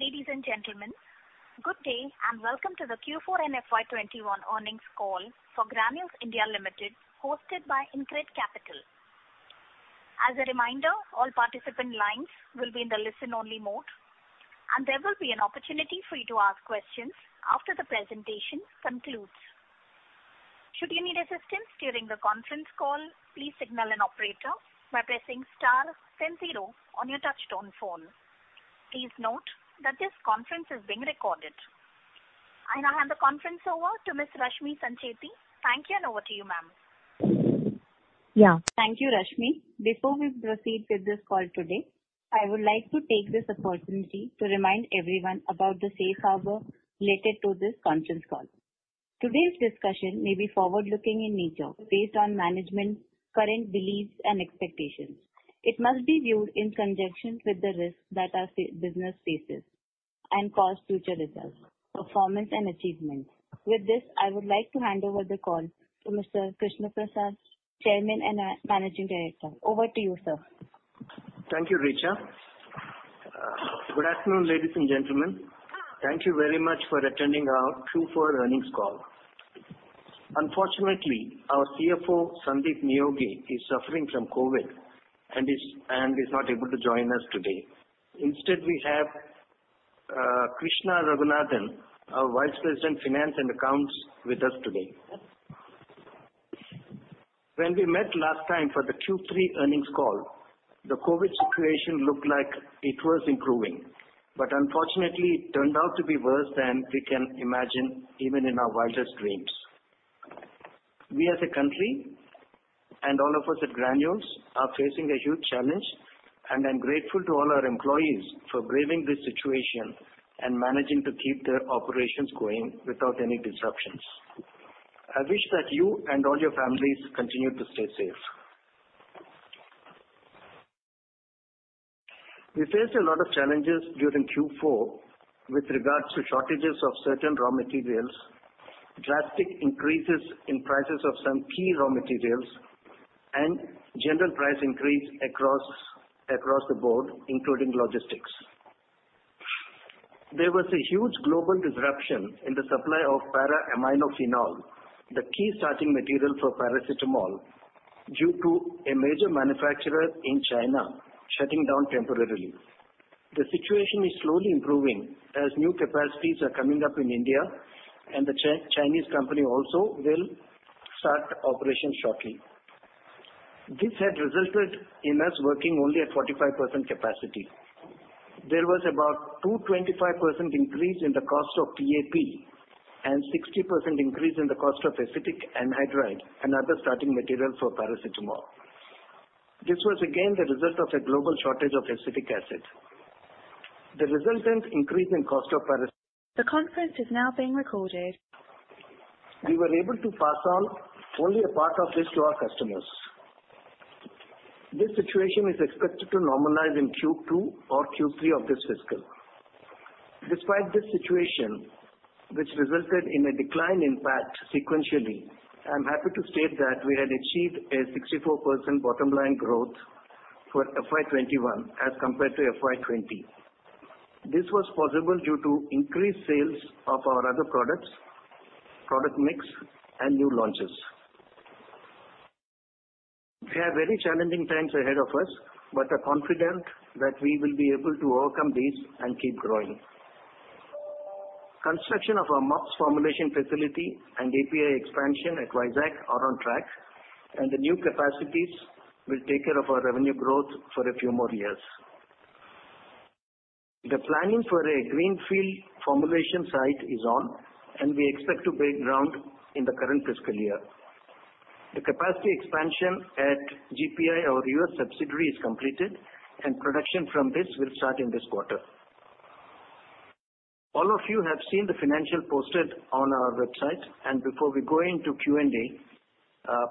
Ladies and gentlemen, good day, and welcome to the Q4 and FY 2021 earnings call for Granules India Limited, hosted by InCred Capital. As a reminder, all participant lines will be in the listen-only mode, and there will be an opportunity for you to ask questions after the presentation concludes. Should you need assistance during the conference call, please signal an operator by pressing star then zero on your touchtone phone. Please note that this conference is being recorded. I hand the conference over to Ms. Rashmi Sancheti. Thank you, and over to you, ma'am. Thank you, Rashmi. Before we proceed with this call today, I would like to take this opportunity to remind everyone about the safe harbor related to this conference call. Today's discussion may be forward-looking in nature, based on management, current beliefs, and expectations. It must be viewed in conjunction with the risks that our business faces and cause future results, performance, and achievements. With this, I would like to hand over the call to Mr. Krishna Prasad, Chairman and Managing Director. Over to you, sir. Thank you, Richa. Good afternoon, ladies and gentlemen. Thank you very much for attending our Q4 earnings call. Unfortunately, our CFO, Sandip Neogi, is suffering from COVID and is not able to join us today. Instead, we have Krishna Raghunathan, our Vice President, Finance and Accounts, with us today. When we met last time for the Q3 earnings call, the COVID situation looked like it was improving, but unfortunately, it turned out to be worse than we can imagine, even in our wildest dreams. We as a country, and all of us at Granules, are facing a huge challenge, and I'm grateful to all our employees for braving this situation and managing to keep the operations going without any disruptions. I wish that you and all your families continue to stay safe. We faced a lot of challenges during Q4 with regards to shortages of certain raw materials, drastic increases in prices of some key raw materials, and general price increase across the board, including logistics. There was a huge global disruption in the supply of para-aminophenol, the key starting material for paracetamol, due to a major manufacturer in China shutting down temporarily. The situation is slowly improving as new capacities are coming up in India, and the Chinese company also will start operations shortly. This had resulted in us working only at 45% capacity. There was about 225% increase in the cost of PAP and 60% increase in the cost of acetic anhydride, another starting material for paracetamol. This was again the result of a global shortage of acetic acid. The resultant increase in cost of paracet- The conference is now being recorded. We were able to pass on only a part of this to our customers. This situation is expected to normalize in Q2 or Q3 of this fiscal. Despite this situation, which resulted in a decline in PAT sequentially, I am happy to state that we had achieved a 64% bottom line growth for FY 2021 as compared to FY 2020. This was possible due to increased sales of our other products, product mix, and new launches. We have very challenging times ahead of us, but are confident that we will be able to overcome these and keep growing. Construction of our MUPS formulation facility and API expansion at Vizag are on track, and the new capacities will take care of our revenue growth for a few more years. The planning for a greenfield formulation site is on, and we expect to break ground in the current fiscal year. The capacity expansion at GPI, our U.S. subsidiary, is completed, and production from this will start in this quarter. All of you have seen the financial posted on our website. Before we go into Q&A,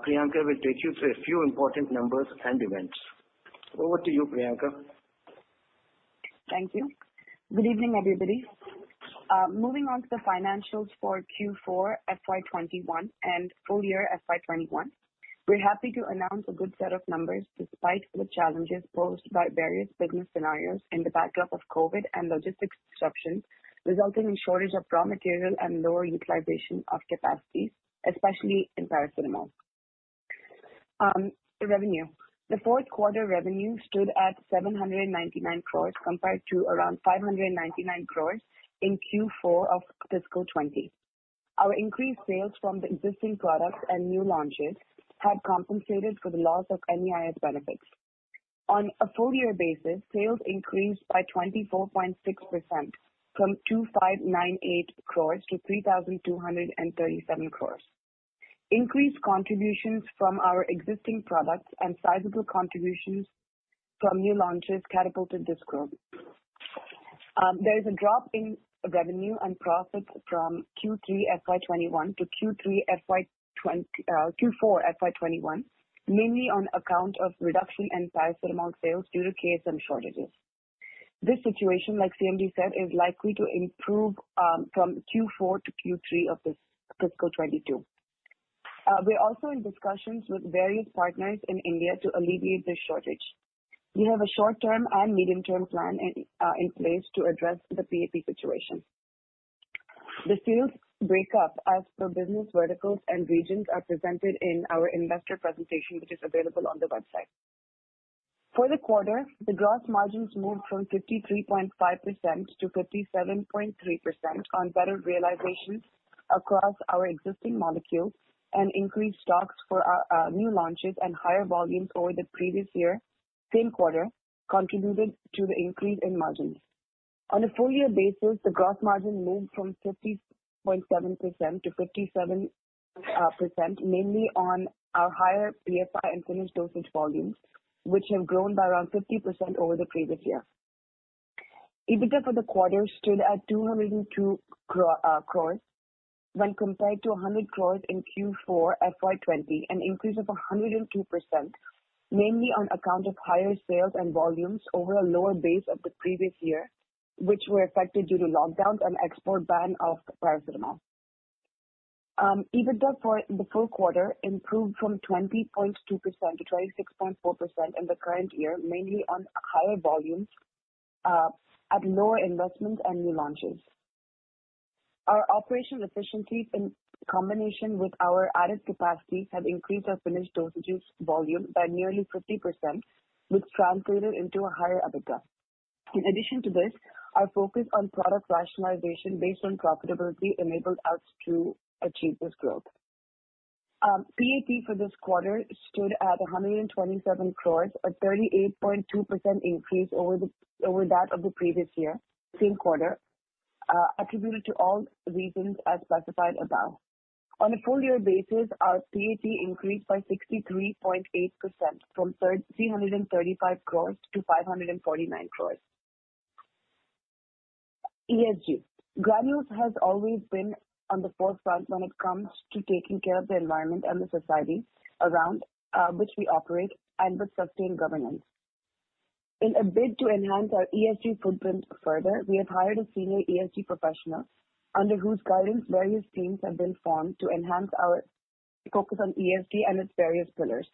Priyanka will take you through a few important numbers and events. Over to you, Priyanka. Thank you. Good evening, everybody. Moving on to the financials for Q4 FY 2021 and full year FY 2021. We are happy to announce a good set of numbers, despite the challenges posed by various business scenarios in the backdrop of COVID and logistics disruptions, resulting in shortage of raw material and lower utilization of capacities, especially in paracetamol. Revenue. The fourth quarter revenue stood at 799 crore compared to around 599 crore in Q4 of fiscal 2020. Our increased sales from the existing products and new launches had compensated for the loss of MEIS benefits. On a full year basis, sales increased by 24.6%, from 2,598 crore to 3,237 crore. Increased contributions from our existing products and sizable contributions from new launches catapulted this growth. There is a drop in revenue and profit from Q3 FY 2021 to Q4 FY 2021, mainly on account of reduction in paracetamol sales due to KSM shortages. This situation, like CMD said, is likely to improve from Q4 to Q3 of fiscal 2022. We are also in discussions with various partners in India to alleviate this shortage. We have a short-term and medium-term plan in place to address the PAP situation. The sales break up as per business verticals and regions are presented in our investor presentation, which is available on the website. For the quarter, the gross margins moved from 53.5% to 57.3% on better realizations across our existing molecules and increased stocks for our new launches and higher volumes over the previous year same quarter contributed to the increase in margins. On a full year basis, the gross margin moved from 50.7% to 57%, mainly on our higher PFI and finished dosage volumes, which have grown by around 50% over the previous year. EBITDA for the quarter stood at 202 crores when compared to 100 crores in Q4 FY 2020, an increase of 102%, mainly on account of higher sales and volumes over a lower base of the previous year, which were affected due to lockdowns and export ban of paracetamol. EBITDA for the full quarter improved from 20.2% to 26.4% in the current year, mainly on higher volumes at lower investment and new launches. Our operational efficiencies in combination with our added capacities have increased our finished dosages volume by nearly 50%, which translated into a higher EBITDA. In addition to this, our focus on product rationalization based on profitability enabled us to achieve this growth. PAT for this quarter stood at 127 crores, a 38.2% increase over that of the previous year same quarter, attributed to all regions as specified above. On a full year basis, our PAT increased by 63.8%, from 335 crores to 549 crores. ESG. Granules has always been on the forefront when it comes to taking care of the environment and the society around which we operate and with sustained governance. In a bid to enhance our ESG footprint further, we have hired a senior ESG professional under whose guidance various teams have been formed to enhance our focus on ESG and its various pillars.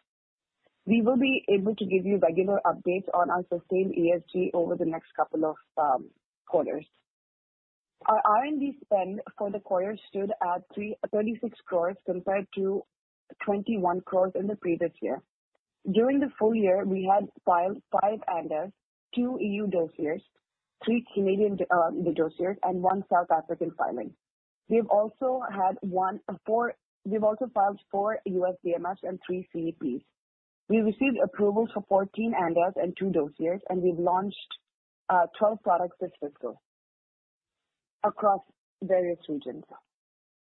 We will be able to give you regular updates on our sustained ESG over the next couple of quarters. Our R&D spend for the quarter stood at 36 crores compared to 21 crores in the previous year. During the full year, we had filed five ANDAs, two EU dossiers, three Canadian dossiers, and one South African filing. We've also filed four U.S. DMFs and three CEPs. We received approval for 14 ANDAs and two dossiers, and we've launched 12 products this fiscal across various regions.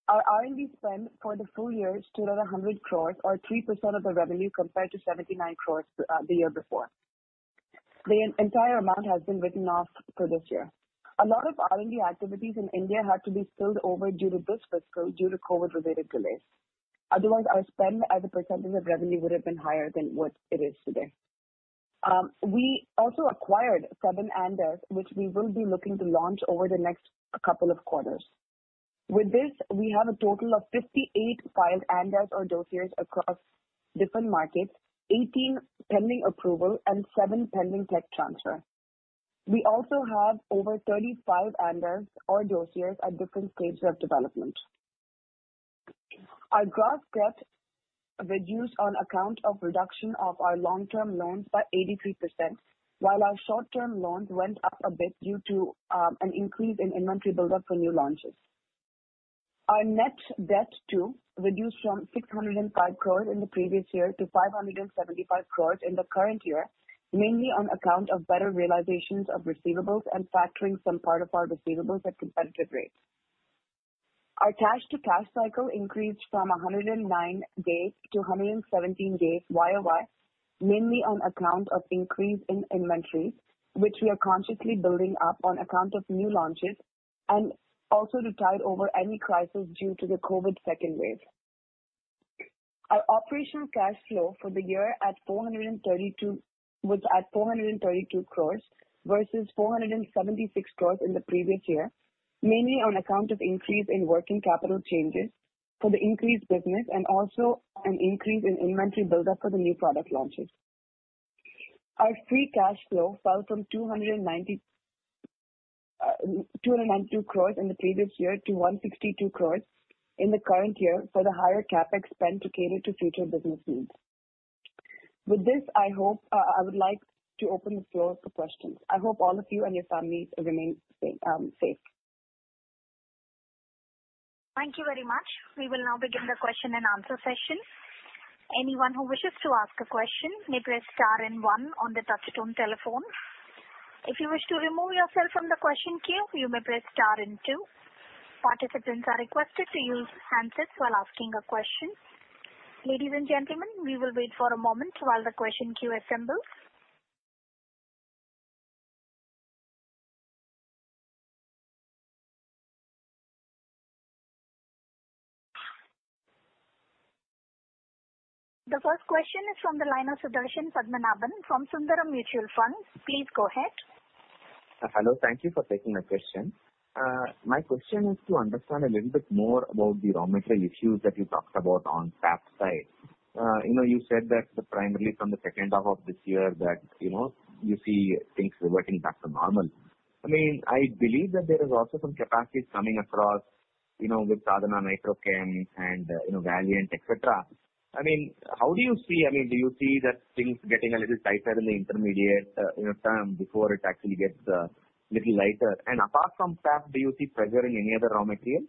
Our R&D spend for the full year stood at 100 crores or 3% of the revenue compared to 79 crores the year before. The entire amount has been written off for this year. A lot of R&D activities in India had to be spilled over to this fiscal due to COVID-related delays. Otherwise, our spend as a percentage of revenue would have been higher than what it is today. We also acquired seven ANDAs, which we will be looking to launch over the next couple of quarters. With this, we have a total of 58 filed ANDAs or dossiers across different markets, 18 pending approval, and seven pending tech transfer. We also have over 35 ANDAs or dossiers at different stages of development. Our gross debt reduced on account of reduction of our long-term loans by 83%, while our short-term loans went up a bit due to an increase in inventory buildup for new launches. Our net debt too reduced from 605 crore in the previous year to 575 crore in the current year, mainly on account of better realizations of receivables and factoring some part of our receivables at competitive rates. Our cash to cash cycle increased from 109 days to 117 days YOY, mainly on account of increase in inventories, which we are consciously building up on account of new launches and also to tide over any crisis due to the COVID second wave. Our operational cash flow for the year was at 432 crore versus 476 crore in the previous year, mainly on account of increase in working capital changes for the increased business and also an increase in inventory buildup for the new product launches. Our free cash flow fell from 292 crore in the previous year to 162 crore in the current year for the higher CapEx spend to cater to future business needs. With this, I would like to open the floor for questions. I hope all of you and your families remain safe. Thank you very much. We will now begin the question and answer session. Anyone who wishes to ask a question may press star and one on the touchtone telephone. If you wish to remove yourself from the question queue, you may press star and two. Participants are requested to use handsets while asking a question. Ladies and gentlemen, we will wait for a moment while the question queue assembles. The first question is from the line of Sudarshan Padmanaban from Sundaram Mutual Fund. Please go ahead. Hello. Thank you for taking my question. My question is to understand a little bit more about the raw material issues that you talked about on PAP side. You said that primarily from the second half of this year you see things reverting back to normal. I believe that there is also some capacity coming across, with Sadhana Nitrochem and Valiant, et cetera. How do you see? Do you see that things getting a little tighter in the intermediate term before it actually gets a little lighter? Apart from PAP, do you see pressure in any other raw material?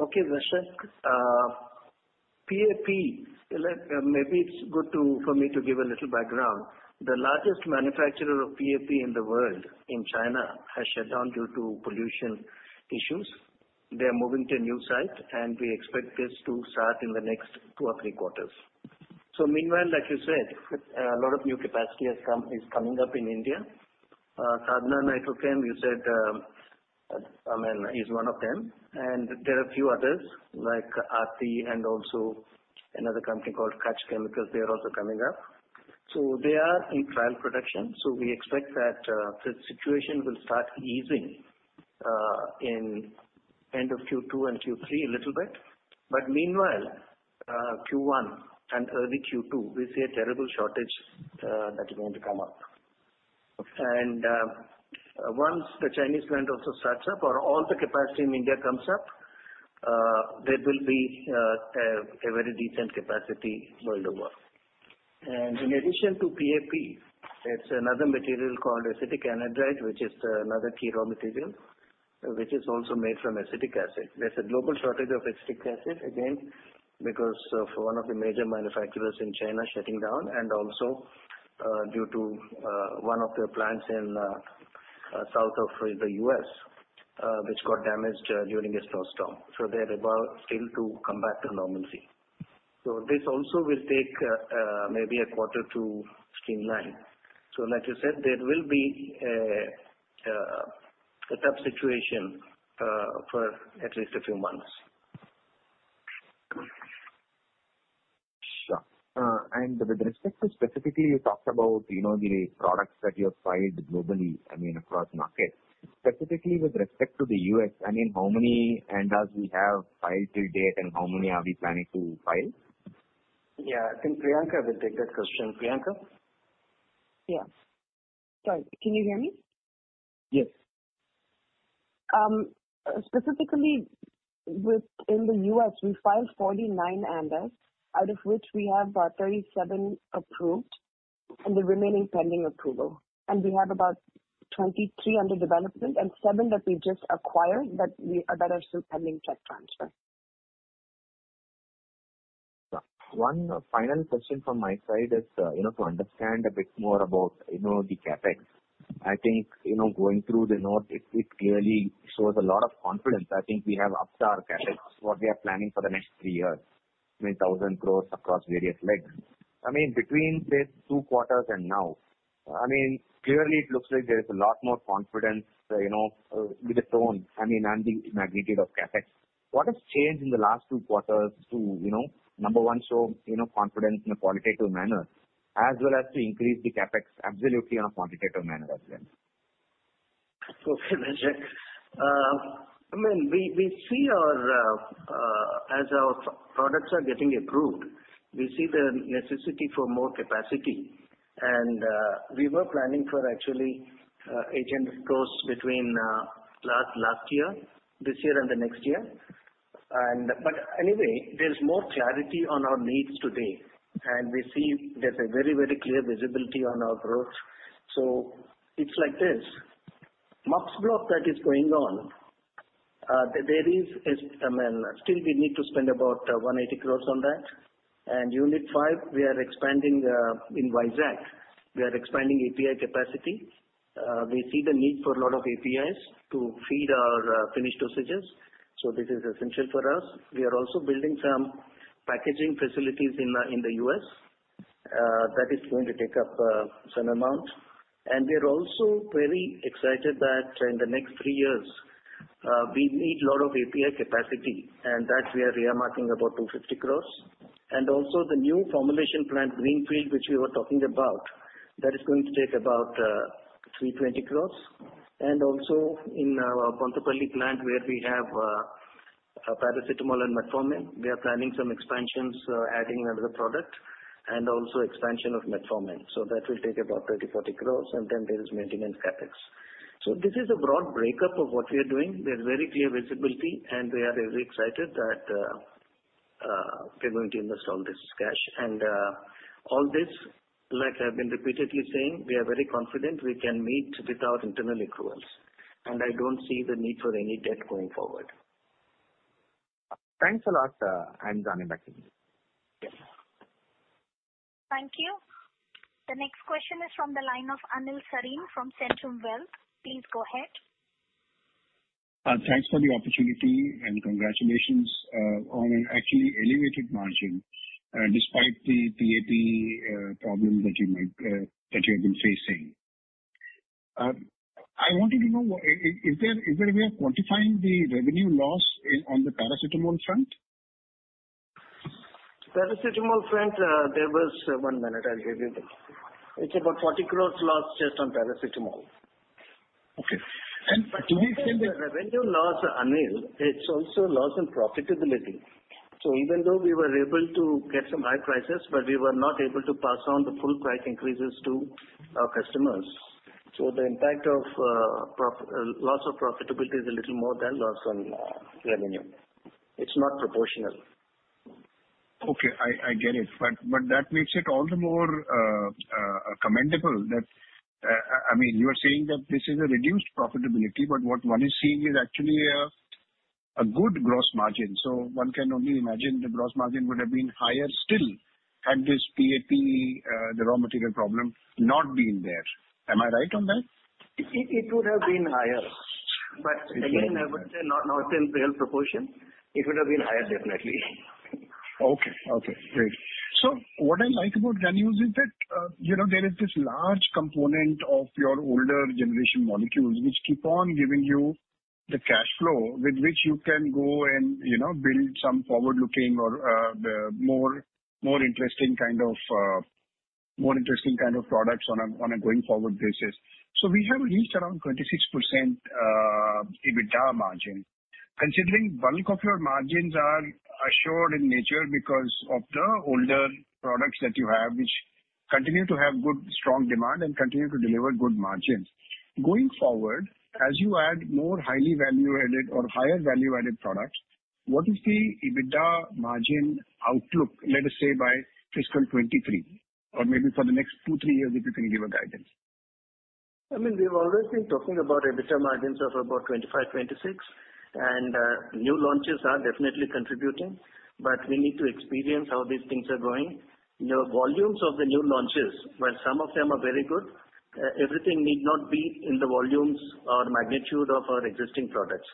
Okay, Vansh. Maybe it is good for me to give a little background. The largest manufacturer of PAP in the world, in China, has shut down due to pollution issues. They are moving to a new site, and we expect this to start in the next two or three quarters. Meanwhile, like you said, a lot of new capacity is coming up in India. Sadhana Nitrochem, you said, is one of them. There are a few others like Aarti and also another company called Kutch Chemical Industries. They are also coming up. They are in trial production. We expect that the situation will start easing in end of Q2 and Q3 a little bit. Meanwhile, Q1 and early Q2, we see a terrible shortage that is going to come up. Once the Chinese plant also starts up or all the capacity in India comes up, there will be a very decent capacity worldwide. In addition to PAP, there's another material called acetic anhydride, which is another key raw material, which is also made from acetic acid. There's a global shortage of acetic acid, again, because of one of the major manufacturers in China shutting down and also due to one of their plants in south of the U.S. which got damaged during a snowstorm. They're about still to come back to normalcy. This also will take maybe a quarter to streamline. Like you said, there will be a tough situation for at least a few months. Sure. With respect to specifically, you talked about the products that you have filed globally, I mean, across markets. Specifically with respect to the U.S., how many ANDAs do we have filed to date, and how many are we planning to file? Yeah, I think Priyanka will take that question. Priyanka? Yeah. Sorry, can you hear me? Yes. Specifically, in the U.S., we filed 49 ANDAs, out of which we have about 37 approved and the remaining pending approval. We have about 23 under development and seven that we just acquired that are still pending tech transfer. One final question from my side is to understand a bit more about the CapEx. I think, going through the notes, it clearly shows a lot of confidence. I think we have upped our CapEx, what we are planning for the next three years, I mean, 1,000 crores across various legs. Between the two quarters and now, clearly it looks like there is a lot more confidence with the tone and the magnitude of CapEx. What has changed in the last two quarters to, number one, show confidence in a qualitative manner as well as to increase the CapEx absolutely on a quantitative manner as well? Okay, Vansh. As our products are getting approved, we see the necessity for more capacity. We were planning for actually INR 800 crores between last year, this year, and the next year. Anyway, there's more clarity on our needs today, and we see there's a very clear visibility on our growth. It's like this. MUPS block that is going on, still we need to spend about 180 crores on that. Unit 5, we are expanding in Vizag. We are expanding API capacity. We see the need for a lot of APIs to feed our finished dosages. This is essential for us. We are also building some packaging facilities in the U.S. That is going to take up some amount. We are also very excited that in the next three years, we need a lot of API capacity, and that we are earmarking about 250 crores. The new formulation plant, greenfield, which we were talking about, that is going to take about 320 crore. Also in our Bonthapally plant, where we have paracetamol and metformin, we are planning some expansions, adding another product and also expansion of metformin. That will take about 30 crore-40 crore, then there is maintenance CapEx. This is a broad breakup of what we are doing. There is very clear visibility, and we are very excited that we are going to invest all this cash. All this, like I have been repeatedly saying, we are very confident we can meet without internal accruals. I do not see the need for any debt going forward. Thanks a lot. I am done, thank you. Thank you. The next question is from the line of Anil Sarin from Centrum Wealth. Please go ahead. Thanks for the opportunity and congratulations on an actually elevated margin despite the PAP problem that you have been facing. I wanted to know if there is a way of quantifying the revenue loss on the paracetamol front? Paracetamol front, it's about 40 crores loss just on paracetamol. Okay. To understand the- It is a revenue loss, Anil. It's also a loss in profitability. Even though we were able to get some high prices, but we were not able to pass on the full price increases to our customers. The impact of loss of profitability is a little more than loss on revenue. It's not proportional. Okay, I get it. That makes it all the more commendable. You are saying that this is a reduced profitability, but what one is seeing is actually a good gross margin. One can only imagine the gross margin would have been higher still had this PAP, the raw material problem not been there. Am I right on that? It would have been higher. Again, I would say not in real proportion. It would have been higher, definitely. Okay. Great. What I like about Granules is that there is this large component of your older generation molecules, which keep on giving you the cash flow with which you can go and build some forward-looking or more interesting kind of products on a going-forward basis. We have reached around 26% EBITDA margin. Considering bulk of your margins are assured in nature because of the older products that you have, which continue to have good, strong demand and continue to deliver good margins. Going forward, as you add more highly value-added or higher value-added products, what is the EBITDA margin outlook, let us say, by fiscal 2023 or maybe for the next two, three years, if you can give a guidance. We've always been talking about EBITDA margins of about 25%, 26%. New launches are definitely contributing, but we need to experience how these things are going. Volumes of the new launches, while some of them are very good, everything need not be in the volumes or magnitude of our existing products.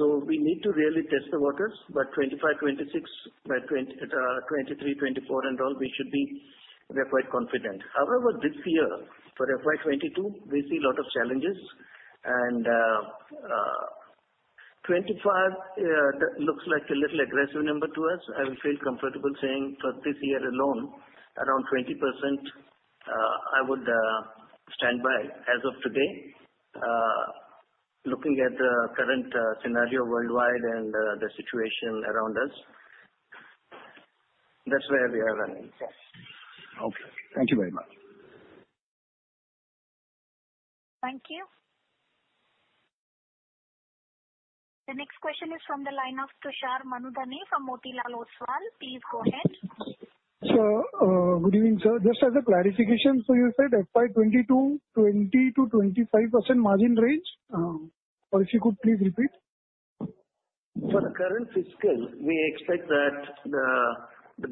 We need to really test the waters. 2025, 2026, by 2023, 2024, and all, we are quite confident. However, this year for FY 2022, we see a lot of challenges and 25% looks like a little aggressive number to us. I will feel comfortable saying for this year alone, around 20%, I would stand by as of today, looking at the current scenario worldwide and the situation around us. That's where we are running, yes. Okay. Thank you very much. Thank you. The next question is from the line of Tushar Manudhane from Motilal Oswal. Please go ahead. Sir. Good evening, sir. Just as a clarification, you said FY 2022, 20%-25% margin range? If you could please repeat. For the current fiscal, we expect that the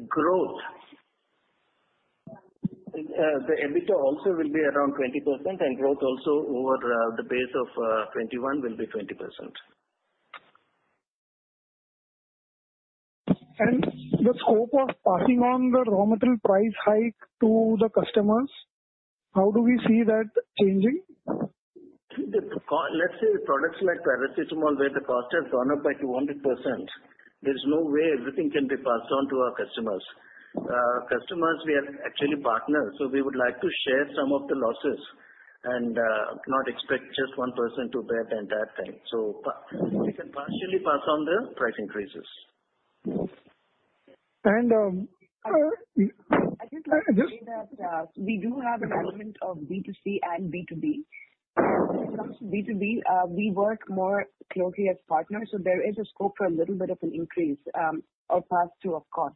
EBITDA also will be around 20%, and growth also over the base of 2021 will be 20%. The scope of passing on the raw material price hike to the customers, how do we see that changing? Let's say products like paracetamol, where the cost has gone up by 200%, there's no way everything can be passed on to our customers. Customers, we are actually partners, we would like to share some of the losses and not expect just one person to bear the entire thing. We can partially pass on the price increases. And I just want to say that we do have an element of B2C and B2B. When it comes to B2B, we work more closely as partners, there is a scope for a little bit of an increase or pass through of cost.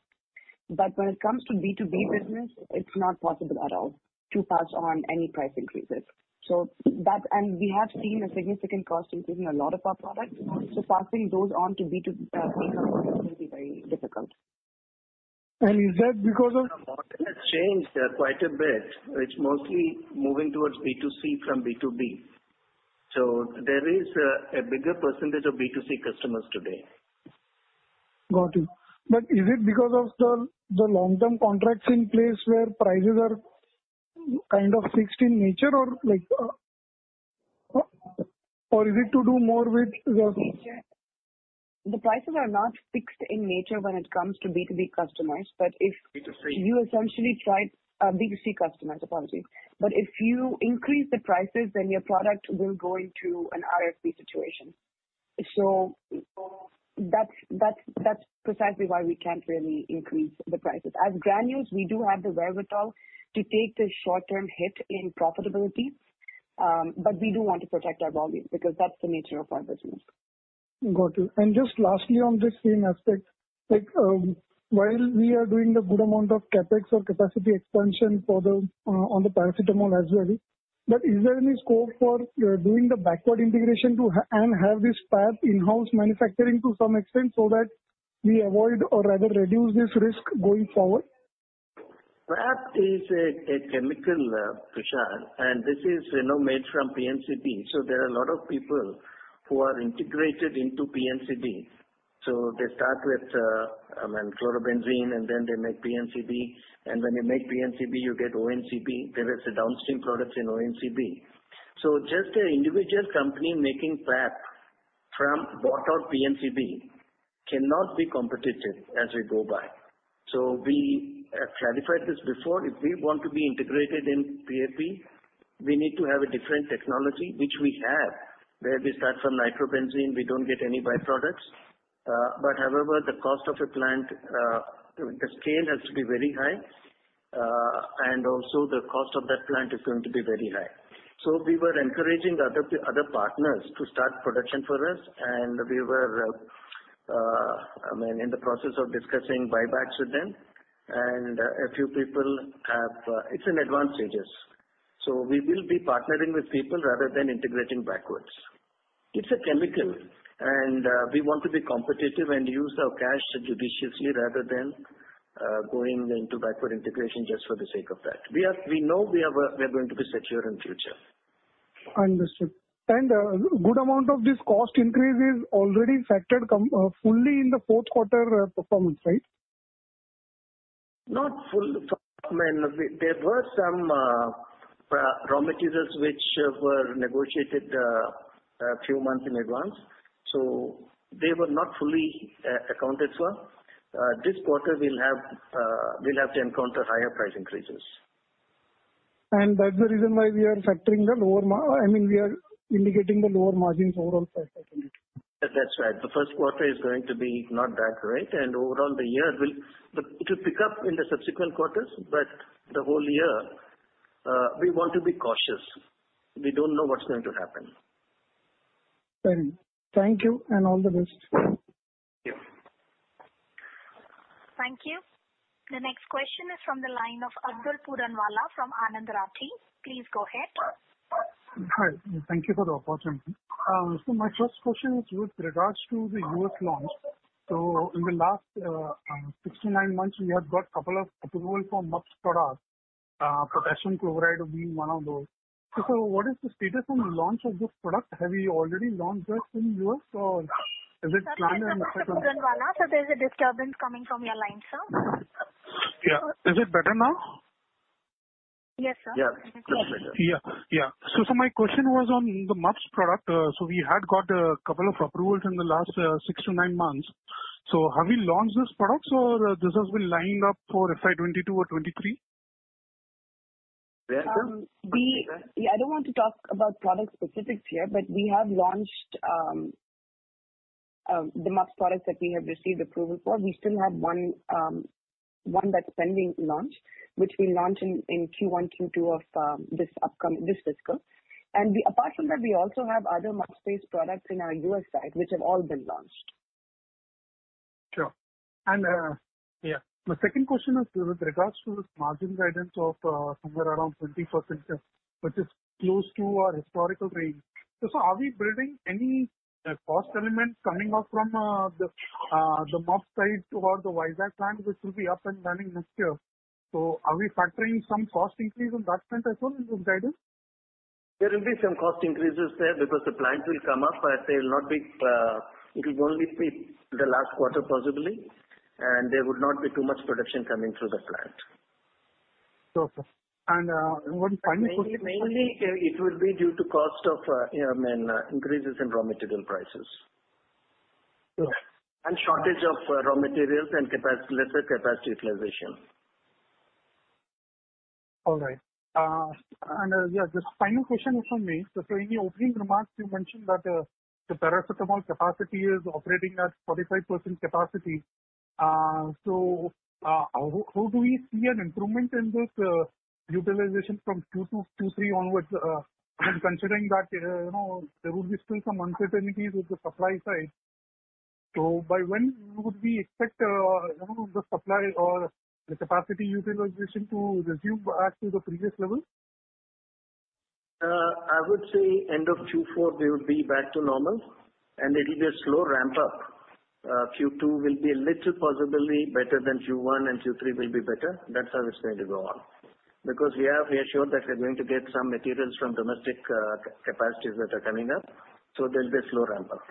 When it comes to B2B business, it's not possible at all to pass on any price increases. We have seen a significant cost increase in a lot of our products, passing those on to B2B customers will be very difficult. Is that because of? The market has changed quite a bit. It's mostly moving towards B2C from B2B. There is a bigger percentage of B2C customers today. Got it. Is it because of the long-term contracts in place where prices are kind of fixed in nature or is it to do more with. The prices are not fixed in nature when it comes to B2B customers. B2C. You essentially tried B2C customers, apologies. If you increase the prices, your product will go into an RFP situation. That's precisely why we can't really increase the prices. At Granules, we do have the wherewithal to take this short-term hit in profitability, but we do want to protect our volume because that's the nature of our business. Got you. Just lastly on this same aspect, while we are doing the good amount of CapEx or capacity expansion on the paracetamol as well, is there any scope for doing the backward integration and have this PAP in-house manufacturing to some extent so that we avoid or rather reduce this risk going forward? PAP is a chemical, Tushar, this is made from PNCB. There are a lot of people who are integrated into PNCB. They start with chlorobenzene and then they make PNCB. When they make PNCB, you get ONCB. There is a downstream product in ONCB. Just an individual company making PAP from bought out PNCB cannot be competitive as we go by. We have clarified this before. If we want to be integrated in PAP, we need to have a different technology, which we have, where we start from nitrobenzene. We don't get any byproducts. However, the cost of a plant, the scale has to be very high. Also, the cost of that plant is going to be very high. We were encouraging the other partners to start production for us, and we were in the process of discussing buybacks with them. It's in advanced stages. We will be partnering with people rather than integrating backwards. It's a chemical, and we want to be competitive and use our cash judiciously rather than going into backward integration just for the sake of that. We know we are going to be secure in future. Understood. A good amount of this cost increase is already factored fully in the fourth quarter performance, right? Not fully. There were some raw materials which were negotiated a few months in advance, so they were not fully accounted for. This quarter we'll have to encounter higher price increases. That's the reason why we are factoring We are indicating the lower margins overall for FY 2022. That's right. The first quarter is going to be not that great. It will pick up in the subsequent quarters. The whole year, we want to be cautious. We don't know what's going to happen. Very well. Thank you and all the best. Thank you. Thank you. The next question is from the line of Abdul Puranwala from Anand Rathi. Please go ahead. Hi. Thank you for the opportunity. My first question is with regards to the U.S. launch. In the last six to nine months, you have got couple of approval for MUPS products, potassium chloride being one of those. What is the status on launch of this product? Have you already launched this in U.S. or is it planned? Mr. Pudanwala, there's a disturbance coming from your line, sir. Yeah. Is it better now? Yes, sir. Yes. My question was on the MUPS product. We had got a couple of approvals in the last six to nine months. Have we launched this product or this has been lined up for FY 2022 or FY 2023? Where, sir? I don't want to talk about product specifics here, but we have launched the MUPS products that we have received approval for. We still have one that's pending launch, which we'll launch in Q1, Q2 of this fiscal. Apart from that, we also have other MUPS-based products in our U.S. side, which have all been launched. Sure. Yeah. My second question is with regards to this margin guidance of somewhere around 20%, which is close to our historical range. Are we building any cost elements coming up from the MUPS side toward the Vizag plant, which will be up and running next year? Are we factoring some cost increase on that front as well in guidance? There will be some cost increases there because the plant will come up, but it will only be the last quarter possibly, and there would not be too much production coming through the plant. Sure, sir. One final question Mainly, it will be due to cost of increases in raw material prices. Sure. Shortage of raw materials and lesser capacity utilization. All right. Yeah, the final question is from me. In your opening remarks, you mentioned that the paracetamol capacity is operating at 45% capacity. How do we see an improvement in this utilization from Q2, Q3 onwards, considering that there will be still some uncertainties with the supply side. By when would we expect the supply or the capacity utilization to resume back to the previous level? I would say end of Q4, they would be back to normal and it will be a slow ramp-up. Q2 will be a little possibly better than Q1, and Q3 will be better. That's how it's going to go on. We are reassured that we're going to get some materials from domestic capacities that are coming up. There'll be a slow ramp-up.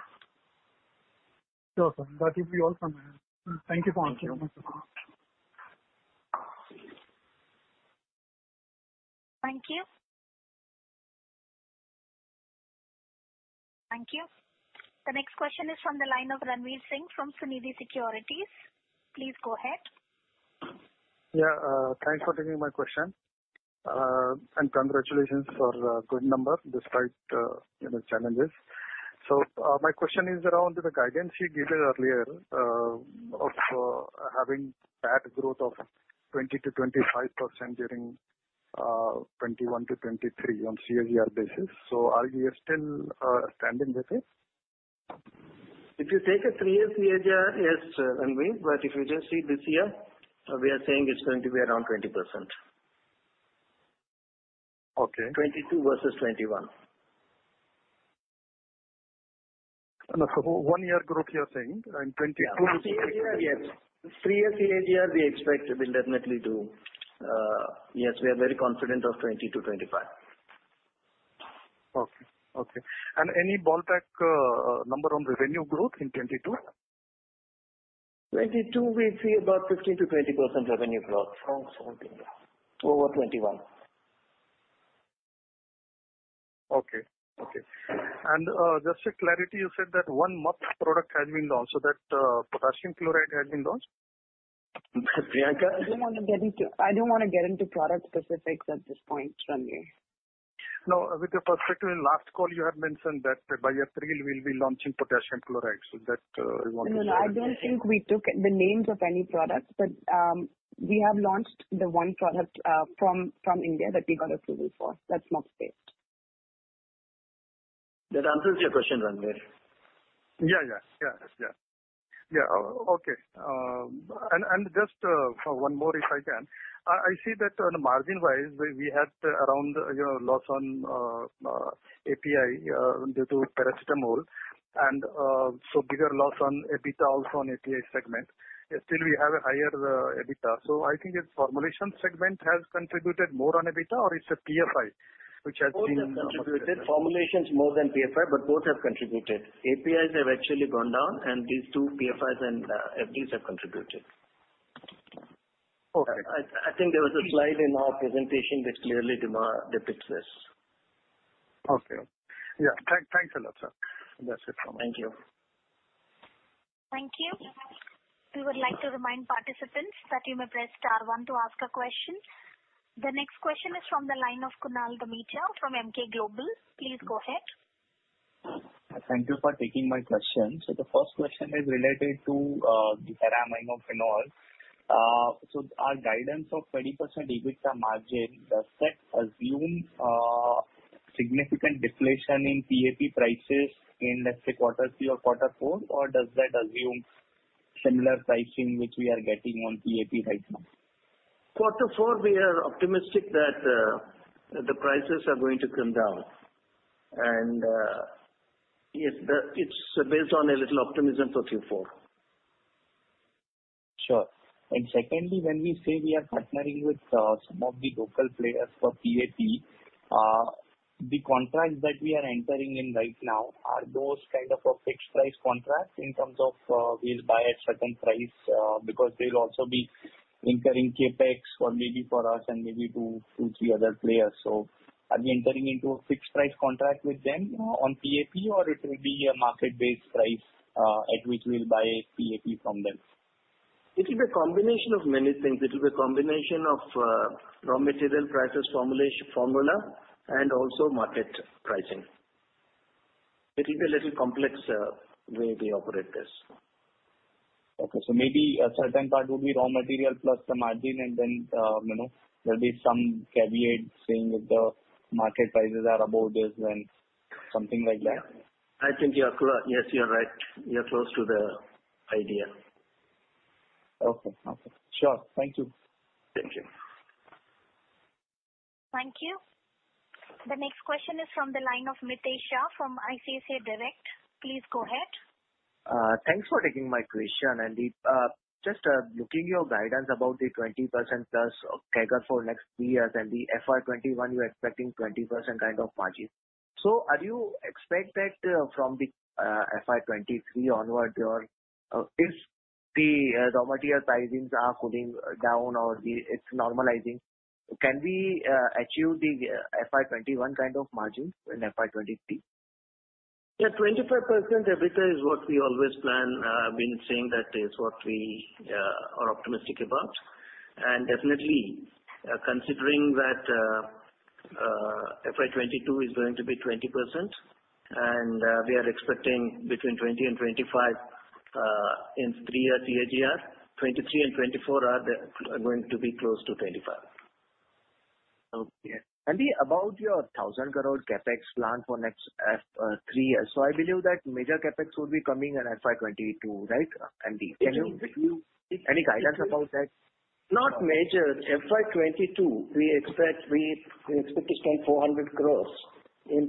Sure, sir. That will be all from my end. Thank you so much. Thank you. Thank you. Thank you. The next question is from the line of Ranveer Singh from Suniti Securities. Please go ahead. Yeah. Thanks for taking my question. Congratulations for good number despite the challenges. My question is around the guidance you gave us earlier of having PAT growth of 20%-25% during 2021 to 2023 on CAGR basis. Are you still standing with it? If you take a three-year CAGR, yes, Ranveer, if you just see this year, we are saying it's going to be around 20%. Okay. 22 versus 21. For one year growth, you're saying in 22 Yes. Three-year CAGR, we expect we'll definitely do Yes, we are very confident of 20 to 25. Okay. Any ballpark number on the revenue growth in 2022? 2022, we see about 15%-20% revenue growth from 2021. Over 21. Okay. Just for clarity, you said that one MUP product has been launched. That potassium chloride has been launched? Priyanka? I don't want to get into product specifics at this point, Ranveer. No. With your perspective in last call, you had mentioned that by April will be launching potassium chloride. No, I don't think we took the names of any products, we have launched the one product from India that we got approval for. That's MUPS-based. That answers your question, Ranveer. Yeah. Okay. Just one more, if I can. I see that on margin wise, we had around loss on API due to paracetamol and bigger loss on EBITDA also on API segment. Still we have a higher EBITDA. I think its formulation segment has contributed more on EBITDA or it's a PFI. Both have contributed. Formulations more than PFI, but both have contributed. APIs have actually gone down and these two PFIs and FDs have contributed. Okay. I think there was a slide in our presentation which clearly depicts this. Okay. Yeah, thanks a lot, sir. That's it from me. Thank you. Thank you. We would like to remind participants that you may press star one to ask a question. The next question is from the line of Kunal Gamitya from Emkay Global. Please go ahead. Thank you for taking my question. The first question is related to the para-aminophenol. Our guidance of 20% EBITDA margin, does that assume significant deflation in PAP prices in, let's say, quarter three or quarter four? Does that assume similar pricing which we are getting on PAP right now? Quarter four, we are optimistic that the prices are going to come down. It's based on a little optimism for Q4. Sure. Secondly, when we say we are partnering with some of the local players for PAP, the contracts that we are entering in right now, are those kind of a fixed price contract in terms of we'll buy at certain price because they'll also be incurring CapEx or maybe for us and maybe two, three other players. Are we entering into a fixed price contract with them on PAP or it will be a market-based price, at which we'll buy PAP from them? It will be a combination of many things. It will be a combination of raw material prices formula and also market pricing. It is a little complex way we operate this. Okay, maybe a certain part will be raw material plus the margin and then there'll be some caveat saying if the market prices are above this, then something like that. I think, yes, you're right. You're close to the idea. Okay. Sure. Thank you. Thank you. Thank you. The next question is from the line of Mitesh Shah from ICICI Direct. Please go ahead. Thanks for taking my question. MD, just looking your guidance about the 20%+ CAGR for next three years and the FY 2021, you're expecting 20% kind of margin. Are you expect that from the FY 2023 onward or if the raw material pricings are cooling down or it's normalizing, can we achieve the FY 2021 kind of margins in FY 2023? Yeah, 25% EBITDA is what we always plan. I've been saying that is what we are optimistic about. Definitely considering that FY 2022 is going to be 20%, and we are expecting between 20% and 25% in three-year CAGR. 2023 and 2024 are going to be close to 25%. Okay. MD, about your 1,000 crore CapEx plan for next three years. I believe that major CapEx will be coming in FY 2022, right, MD? Can you give any guidance about that? Not major. FY 2022, we expect to spend 400 crore in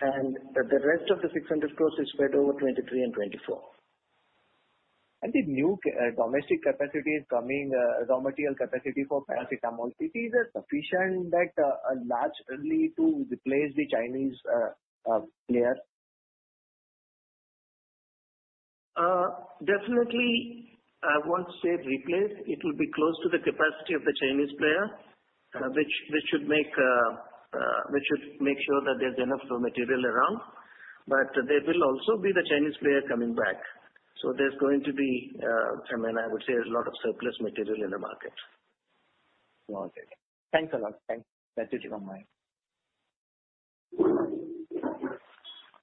2022. The rest of the 600 crore is spread over 2023 and 2024. The new domestic capacity is coming, raw material capacity for paracetamol. It is sufficient that largely to replace the Chinese player? Definitely, I won't say replace. It will be close to the capacity of the Chinese player, which should make sure that there's enough raw material around. There will also be the Chinese player coming back. There's going to be, I would say, a lot of surplus material in the market. Okay. Thanks a lot. Thanks. That's it from my end.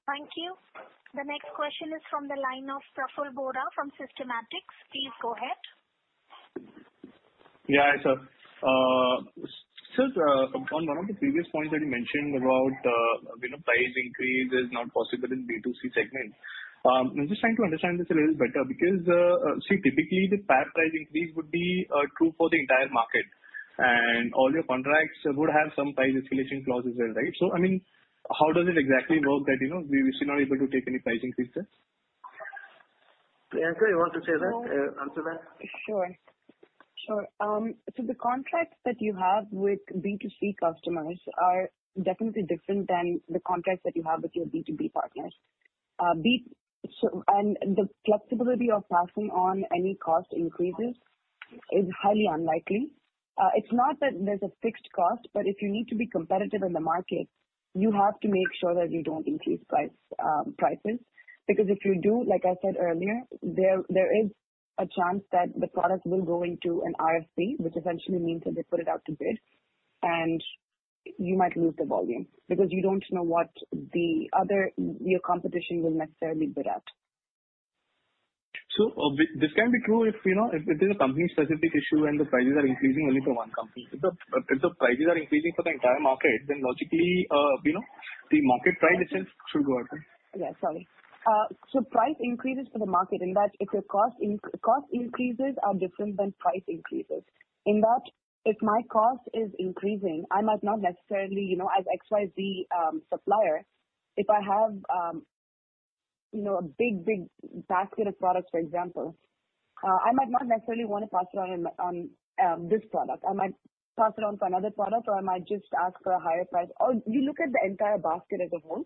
Thank you. The next question is from the line of Praful Bohra from Systematix. Please go ahead. Yeah. Hi, sir. Sir, on one of the previous points that you mentioned about price increase is not possible in B2C segment. I'm just trying to understand this a little better because, see, typically the PAP price increase would be true for the entire market and all your contracts would have some price escalation clauses there, right? I mean, how does it exactly work that we're still not able to take any pricing increases? Priyanka, you want to answer that? The contracts that you have with B2C customers are definitely different than the contracts that you have with your B2B partners. The flexibility of passing on any cost increases is highly unlikely. It's not that there's a fixed cost, but if you need to be competitive in the market, you have to make sure that you don't increase prices. Because if you do, like I said earlier, there is a chance that the product will go into an RFP, which essentially means that they put it out to bid, and you might lose the volume because you don't know what your competition will necessarily bid at. This can be true if it is a company-specific issue and the prices are increasing only for one company. If the prices are increasing for the entire market, then logically, the market price itself should go up. Yeah, sorry. Price increases for the market, in that if your cost increases are different than price increases. In that, if my cost is increasing, I might not necessarily, as XYZ supplier, if I have a big basket of products, for example, I might not necessarily want to pass it on this product. I might pass it on to another product, or I might just ask for a higher price, or you look at the entire basket as a whole.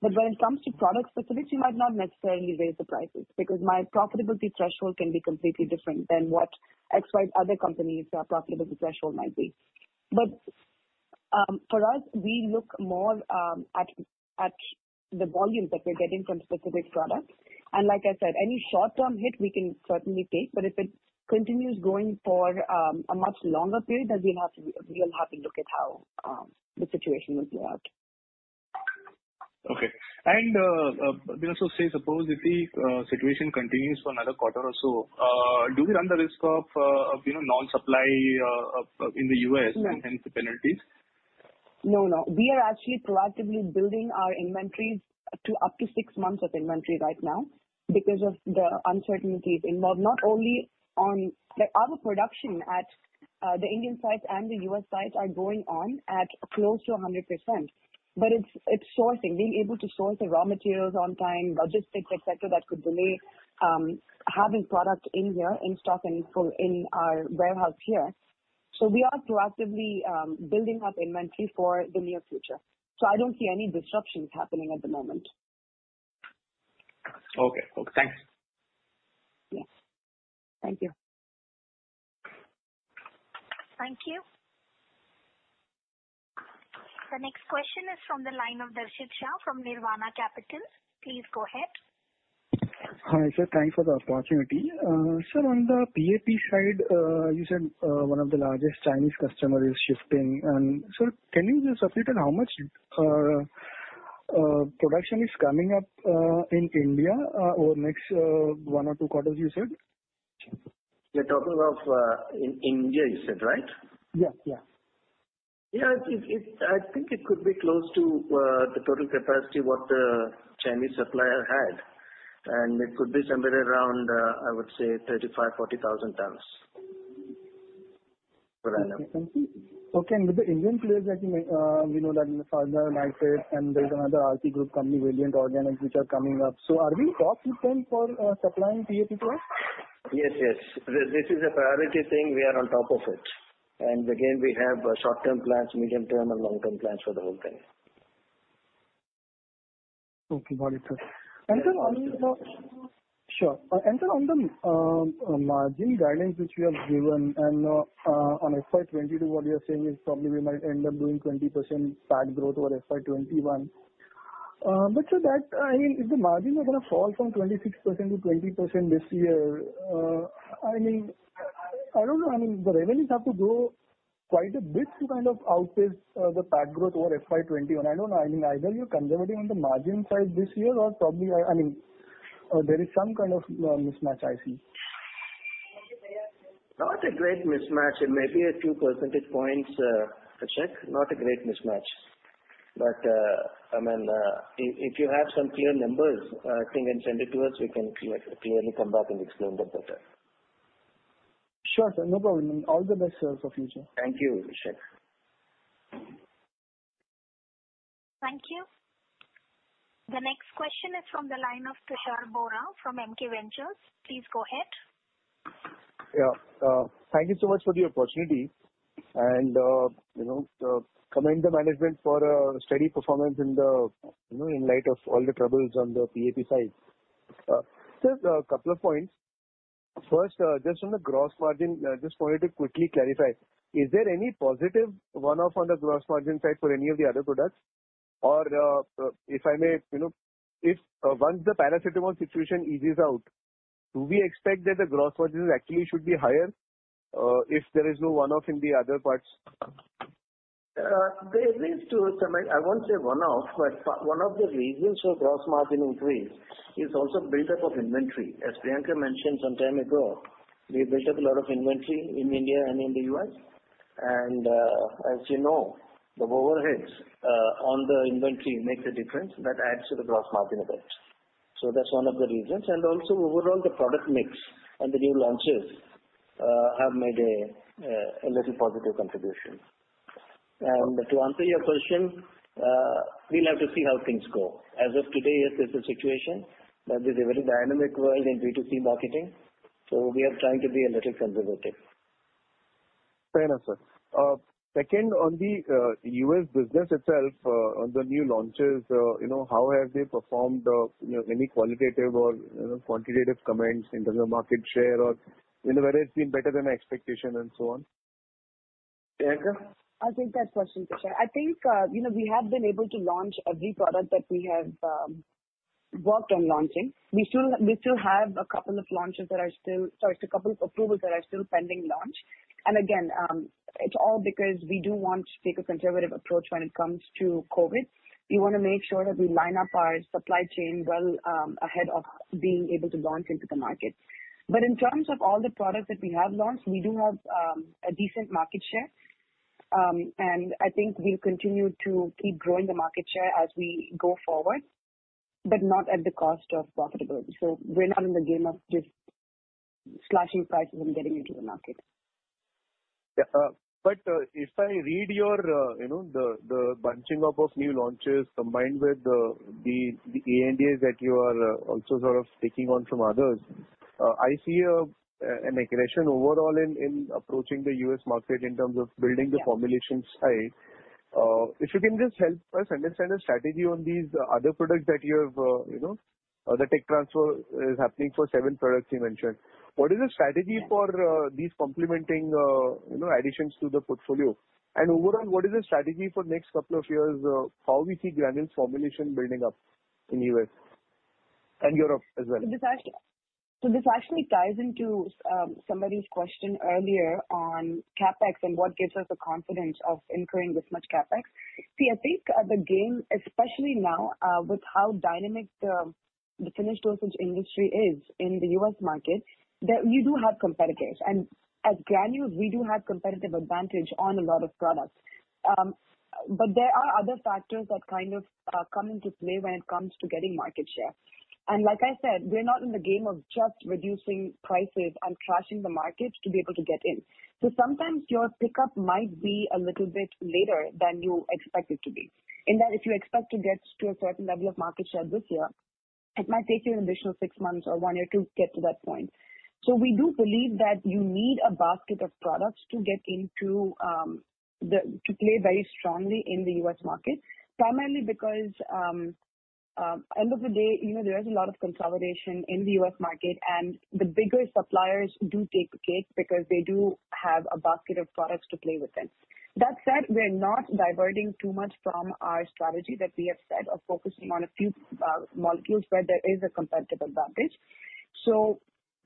When it comes to product specific, you might not necessarily raise the prices because my profitability threshold can be completely different than what XYZ other company's profitability threshold might be. For us, we look more at the volumes that we're getting from specific products. Like I said, any short-term hit we can certainly take. If it continues going for a much longer period, then we'll have to look at how the situation will play out. Okay. Also say, suppose if the situation continues for another quarter or so, do we run the risk of non-supply in the U.S.? No. Hence the penalties? No. We are actually proactively building our inventories to up to six months of inventory right now because of the uncertainties involved. Our production at the Indian sites and the U.S. sites are going on at close to 100%. It's sourcing, being able to source the raw materials on time, logistics, et cetera, that could delay having product in here, in stock and in our warehouse here. We are proactively building up inventory for the near future. I don't see any disruptions happening at the moment. Okay. Thanks. Yes. Thank you. Thank you. The next question is from the line of Darshit Shah from Nirvana Capital. Please go ahead. Hi, sir. Thanks for the opportunity. Sir, on the PAP side, you said one of the largest Chinese customer is shifting. Sir, can you just update on how much production is coming up in India over next one or two quarters, you said? You're talking of in India, you said, right? Yeah. I think it could be close to the total capacity what the Chinese supplier had, it could be somewhere around, I would say, 35,000-40,000 tons. For now. With the Indian players, we know that Sadhana Nitro Chem and there's another Aarti Group company, Valiant Organics, which are coming up. Are we top with them for supplying PAP to us? This is a priority thing. We are on top of it. Again, we have short-term plans, medium-term, and long-term plans for the whole thing. Got it, sir. Sir, on the margin guidance which we have given and on FY 2020, what we are saying is probably we might end up doing 20% PAT growth over FY 2021. Sir, if the margin are going to fall from 26% to 20% this year, I don't know. The revenues have to grow quite a bit to outpace the PAT growth over FY 2021. I don't know. Either you're conserving on the margin side this year or probably, there is some kind of mismatch I see. Not a great mismatch. It may be a few percentage points, Abhishek. Not a great mismatch. If you have some clear numbers, I think send it to us, we can clearly come back and explain them better. Sure, sir. No problem. All the best, sir, for future. Thank you, Abhishek. Thank you. The next question is from the line of Tushar Bohra from MKVentures. Please go ahead. Thank you so much for the opportunity. Commend the management for a steady performance in light of all the troubles on the PAP side. Sir, a couple of points. First, just on the gross margin, just for you to quickly clarify, is there any positive one-off on the gross margin side for any of the other products? If I may, once the paracetamol situation eases out, do we expect that the gross margins actually should be higher if there is no one-off in the other parts? There is I won't say one-off, but one of the reasons for gross margin increase is also buildup of inventory. As Priyanka mentioned some time ago, we built up a lot of inventory in India and in the U.S. As you know, the overheads on the inventory make the difference that adds to the gross margin a bit. That's one of the reasons, also overall the product mix and the new launches have made a little positive contribution. To answer your question, we'll have to see how things go. As of today, this is the situation, it's a very dynamic world in B2C marketing, we are trying to be a little conservative. Fair enough, sir. Second, on the U.S. business itself, on the new launches, how have they performed? Any qualitative or quantitative comments in terms of market share or whether it's been better than expectation and so on? Priyanka? I'll take that question, Tushar. I think we have been able to launch every product that we have worked on launching. We still have a couple of approvals that are still pending launch. Again, it's all because we do want to take a conservative approach when it comes to COVID. We want to make sure that we line up our supply chain well ahead of being able to launch into the market. In terms of all the products that we have launched, we do have a decent market share. I think we'll continue to keep growing the market share as we go forward, but not at the cost of profitability. We're not in the game of just slashing prices and getting into the market. Yeah. If I read the bunching up of new launches combined with the ANDAs that you are also sort of taking on from others, I see an aggression overall in approaching the U.S. market in terms of building the formulation side. If you can just help us understand the strategy on these other products that you have, the tech transfer is happening for seven products you mentioned. What is the strategy for these complementing additions to the portfolio? Overall, what is the strategy for next couple of years, how we see Granules formulation building up in U.S. and Europe as well? This actually ties into somebody's question earlier on CapEx and what gives us the confidence of incurring this much CapEx. See, I think the game, especially now, with how dynamic the finished dosage industry is in the U.S. market, that we do have competitors. At Granules, we do have competitive advantage on a lot of products. There are other factors that kind of come into play when it comes to getting market share. Like I said, we're not in the game of just reducing prices and crashing the market to be able to get in. Sometimes your pickup might be a little bit later than you expect it to be. In that if you expect to get to a certain level of market share this year, it might take you an additional six months or one year to get to that point. We do believe that you need a basket of products to play very strongly in the U.S. market, primarily because, end of the day, there is a lot of consolidation in the U.S. market, the bigger suppliers do take the cake because they do have a basket of products to play with then. That said, we're not diverting too much from our strategy that we have set of focusing on a few molecules where there is a competitive advantage.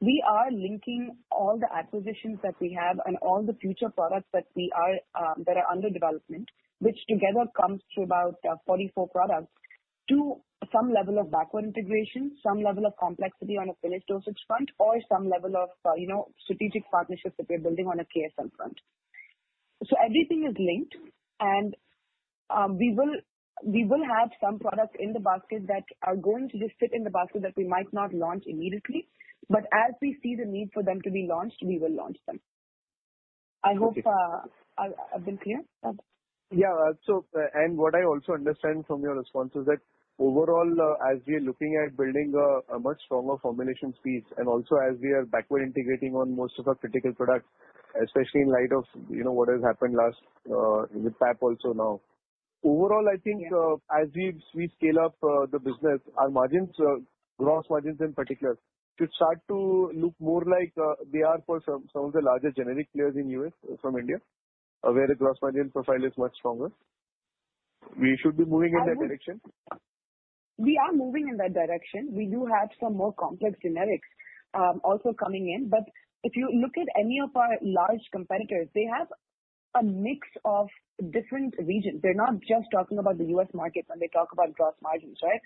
We are linking all the acquisitions that we have and all the future products that are under development, which together comes to about 44 products, to some level of backward integration, some level of complexity on a finished dosage front or some level of strategic partnerships that we're building on a KSM front. Everything is linked, we will have some products in the basket that are going to just sit in the basket that we might not launch immediately, but as we see the need for them to be launched, we will launch them. I hope I've been clear. Yeah. What I also understand from your response is that overall, as we are looking at building a much stronger formulation piece, also as we are backward integrating on most of our critical products, especially in light of what has happened last with PAP also now. Overall, I think as we scale up the business, our margins, gross margins in particular, should start to look more like they are for some of the larger generic players in U.S. from India, where the gross margin profile is much stronger. We should be moving in that direction? We are moving in that direction. We do have some more complex generics also coming in, but if you look at any of our large competitors, they have a mix of different regions. They're not just talking about the U.S. market when they talk about gross margins, right?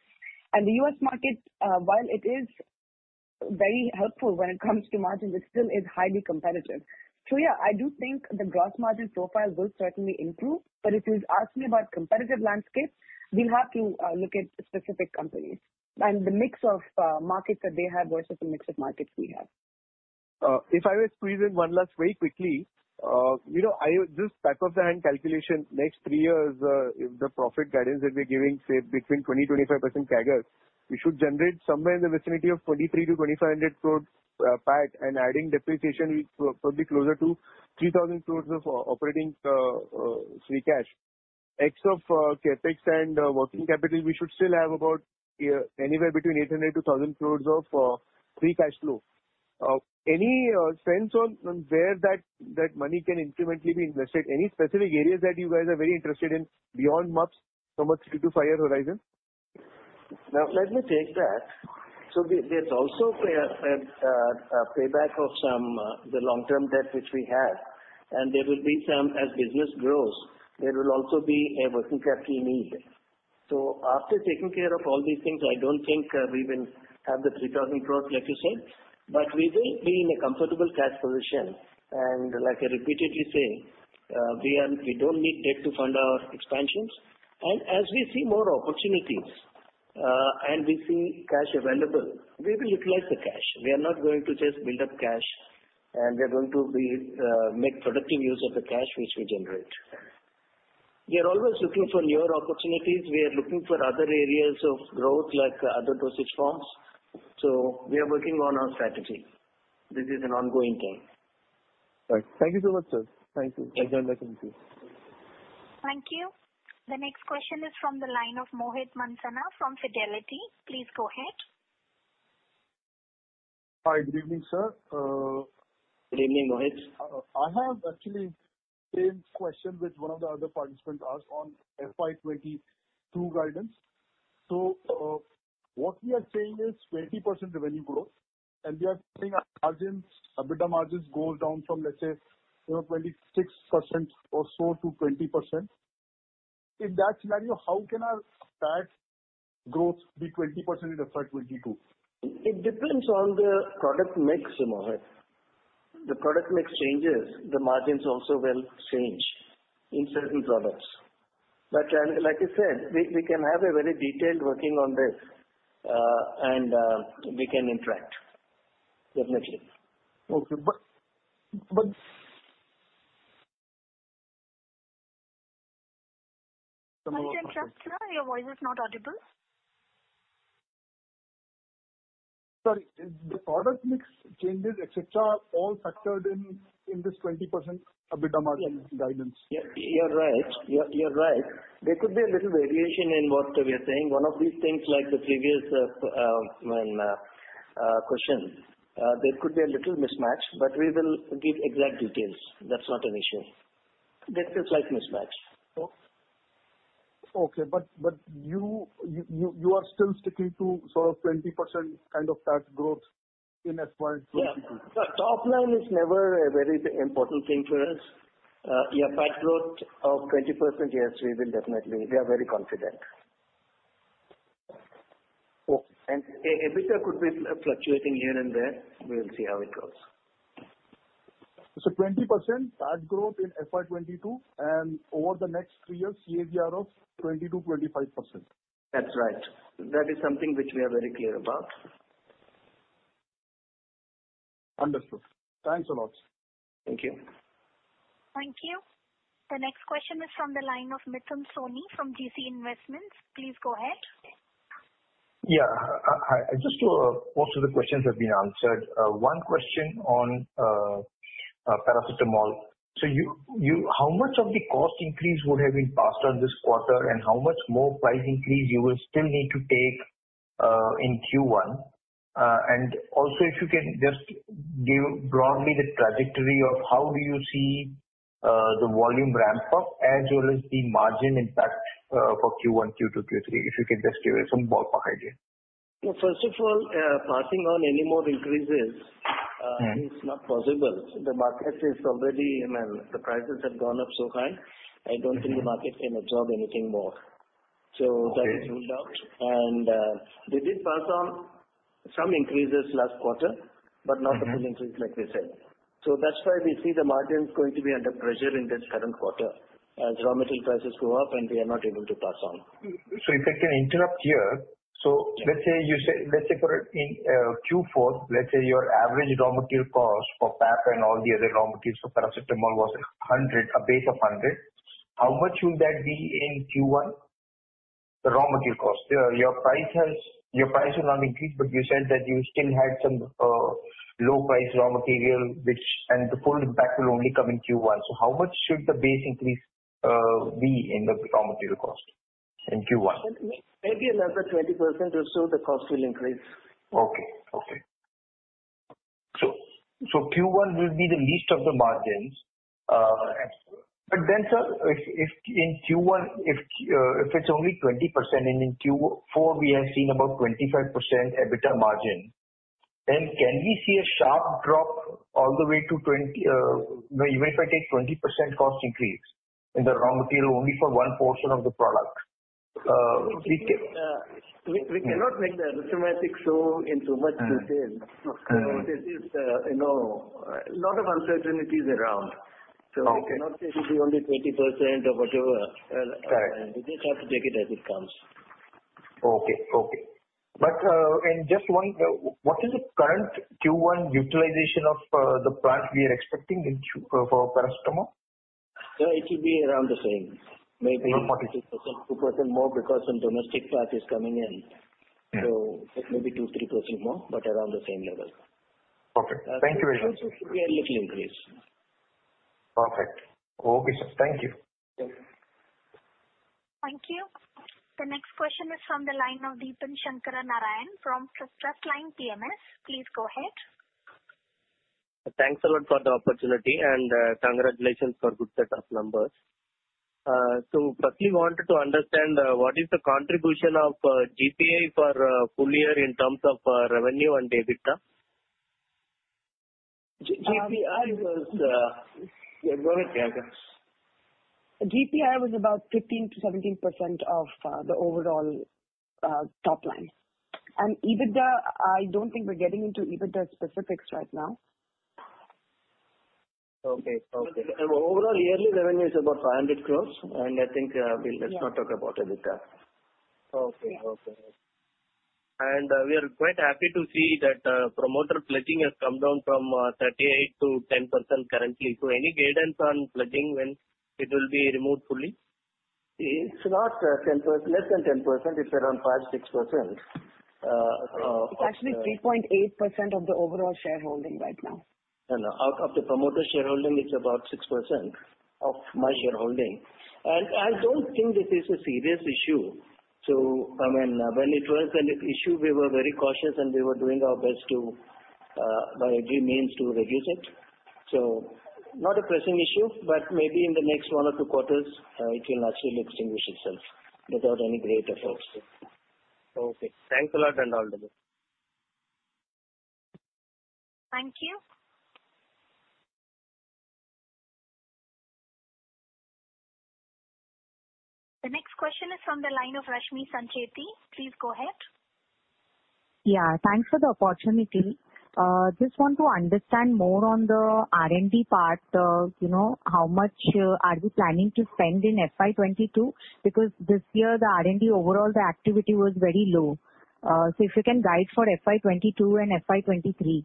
The U.S. market, while it is very helpful when it comes to margins, it still is highly competitive. Yeah, I do think the gross margin profile will certainly improve, but if you ask me about competitive landscape, we'll have to look at specific companies and the mix of markets that they have versus the mix of markets we have. If I were to squeeze in one last very quickly. Just back of the hand calculation, next three years, if the profit guidance that we're giving, say between 20%-25% CAGRs, we should generate somewhere in the vicinity of 2,300 crore-2,500 crore PAT and adding depreciation will put it closer to 3,000 crores of operating free cash. Ex of CapEx and working capital, we should still have about anywhere between 800 crore-1,000 crore of free cash flow. Any sense on where that money can incrementally be invested? Any specific areas that you guys are very interested in beyond MUPS from a 3 to 5 year horizon? Now let me take that. There's also a payback of the long-term debt which we have, and there will be some as business grows, there will also be a working capital need. After taking care of all these things, I don't think we will have the 3,000 crores like you said, but we will be in a comfortable cash position. Like I repeatedly say, we don't need debt to fund our expansions. As we see more opportunities and we see cash available, we will utilize the cash. We are not going to just build up cash. We are going to make productive use of the cash which we generate. We are always looking for newer opportunities. We are looking for other areas of growth, like other dosage forms. We are working on our strategy. This is an ongoing thing. Right. Thank you so much, sir. Thank you. Thank you. The next question is from the line of Mohit Mansana from Fidelity. Please go ahead. Hi. Good evening, sir. Good evening, Mohit. I have actually the same question which one of the other participants asked on FY 2022 guidance. What we are saying is 20% revenue growth, and we are seeing EBITDA margins go down from, let's say, 26% or so to 20%. In that scenario, how can our PAT growth be 20% in FY 2022? It depends on the product mix, Mohit. The product mix changes, the margins also will change in certain products. Like I said, we can have a very detailed working on this, and we can interact. Definitely. Okay. Mohit Mansana, your voice is not audible. Sorry. The product mix changes, et cetera, are all factored in this 20% EBITDA margin guidance. You're right. There could be a little variation in what we are saying. One of these things like the previous question, there could be a little mismatch, but we will give exact details. That's not an issue. There is a slight mismatch. Okay. You are still sticking to sort of 20% kind of PAT growth in FY 2022. Yeah. Topline is never a very important thing for us. Yeah, PAT growth of 20%, yes, we are very confident. Okay. EBITDA could be fluctuating here and there. We'll see how it goes. 20% PAT growth in FY 2022, over the next three years, CAGR of 20%-25%. That's right. That is something which we are very clear about. Understood. Thanks a lot, sir. Thank you. Thank you. The next question is from the line of Mithun Soni from Geecee Investments. Please go ahead. Yeah. Most of the questions have been answered. One question on paracetamol. How much of the cost increase would have been passed on this quarter, and how much more price increase you will still need to take in Q1? Also, if you can just give broadly the trajectory of how do you see the volume ramp up as well as the margin impact for Q1, Q2, Q3? If you can just give us some ballpark idea. First of all, passing on any more increases is not possible. The prices have gone up so high, I don't think the market can absorb anything more. Okay. That is ruled out. We did pass on some increases last quarter, but not the full increase, like we said. That's why we see the margins going to be under pressure in this current quarter as raw material prices go up and we are not able to pass on. If I can interrupt here. Yeah. Let's say in Q4, let's say your average raw material cost for PAP and all the other raw materials for paracetamol was a base of 100. How much will that be in Q1? The raw material cost. Your price will not increase, but you said that you still had some low price raw material, and the full impact will only come in Q1. How much should the base increase be in the raw material cost in Q1? Maybe another 20% or so the cost will increase. Okay. Q1 will be the least of the margins. Sir, if in Q1, if it's only 20%, and in Q4, we have seen about 25% EBITDA margin, then can we see a sharp drop all the way to, even if I take 20% cost increase in the raw material only for one portion of the product? We cannot make the arithmetic so into much detail. Okay. There is a lot of uncertainties around. Okay. We cannot say it will be only 20% or whatever. Right. We just have to take it as it comes. Okay. Just one, what is the current Q1 utilization of the plant we are expecting for paracetamol? Sir, it will be around the same. Maybe 2% more because some domestic plant is coming in. Yeah. It may be 2%, 3% more, but around the same level. Okay. Thank you very much. A little increase. Perfect. Okay, sir. Thank you. Thank you. Thank you. The next question is from the line of Deepan Sankaranarayanan from Trustline PMS. Please go ahead. Thanks a lot for the opportunity, congratulations for good set of numbers. Firstly, wanted to understand what is the contribution of GPI for full year in terms of revenue and EBITDA? GPI was Yeah, go ahead, Priyanka. GPI was about 15%-17% of the overall top line. EBITDA, I don't think we're getting into EBITDA specifics right now. Okay. Overall yearly revenue is about 500 crores. I think let's not talk about it. Okay. We are quite happy to see that promoter pledging has come down from 38% to 10% currently. Any guidance on pledging when it will be removed fully? It's less than 10%. It's around 5%-6%. It's actually 3.8% of the overall shareholding right now. Out of the promoter shareholding, it's about 6% of my shareholding. I don't think this is a serious issue. When it was an issue, we were very cautious, and we were doing our best by every means to reduce it. Not a pressing issue, but maybe in the next one or two quarters, it will actually extinguish itself without any great efforts. Okay. Thanks a lot and all the best. Thank you. The next question is from the line of Rashmi Sancheti. Please go ahead. Yeah, thanks for the opportunity. Just want to understand more on the R&D part. How much are we planning to spend in FY 2022? This year, the R&D overall activity was very low. If you can guide for FY 2022 and FY 2023.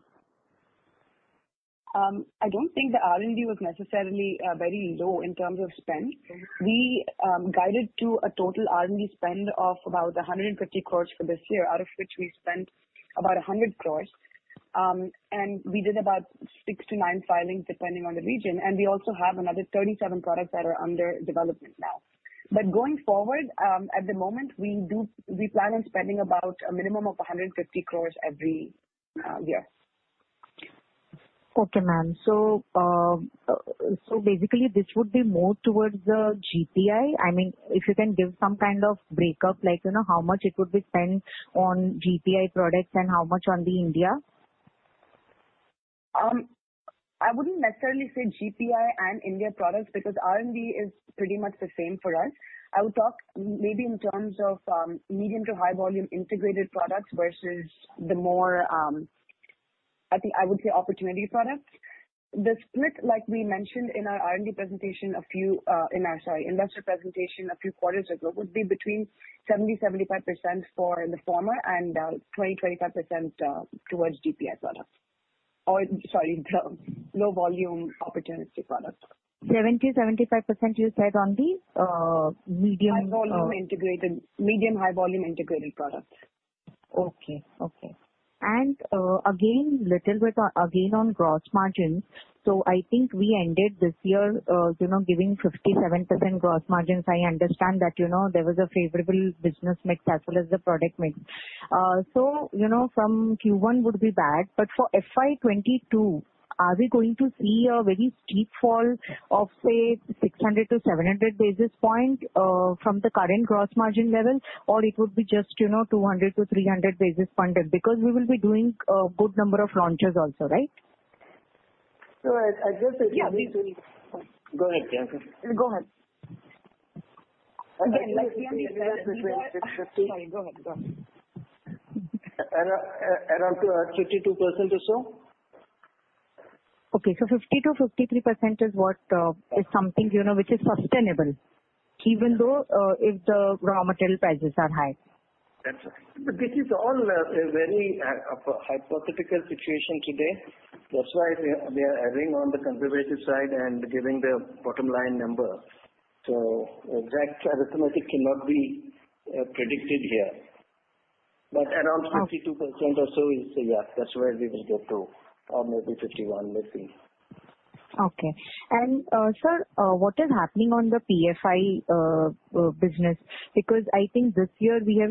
I don't think the R&D was necessarily very low in terms of spend. We guided to a total R&D spend of about 150 crores for this year, out of which we spent about 100 crores. We did about six to nine filings depending on the region, and we also have another 37 products that are under development now. Going forward, at the moment, we plan on spending about a minimum of 150 crores every year. Okay, ma'am. Basically, this would be more towards the GPI. If you can give some kind of breakup, like how much it would be spent on GPI products and how much on the India. I wouldn't necessarily say GPI and India products, R&D is pretty much the same for us. I would talk maybe in terms of medium to high volume integrated products versus the more, I would say, opportunity products. The split, like we mentioned in our investor presentation a few quarters ago, would be between 70%-75% for the former and 20%-25% towards GPI products. Sorry, low volume opportunity products. 70%, 75% you said on the medium- High volume integrated, medium high volume integrated products. Okay. Again, little bit again on gross margins. I think we ended this year giving 57% gross margins. I understand that there was a favorable business mix as well as the product mix. From Q1 would be back. For FY 2022, are we going to see a very steep fall of, say, 600-700 basis points from the current gross margin level, or it would be just 200-300 basis points? We will be doing a good number of launches also, right? I guess it will be- Go ahead. Go ahead. Sorry, go ahead. Around 52% or so. Okay, 52%, 53% is something which is sustainable, even though if the raw material prices are high. That's right. This is all a very hypothetical situation today. That's why we are erring on the conservative side and giving the bottom line number. Exact arithmetic cannot be predicted here. Around 52% or so is, yeah, that's where we will get to. Or maybe 51, maybe. Okay. Sir, what is happening on the PFI business? I think this year we have